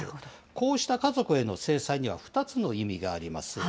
こうした家族への制裁には２つの意味があります。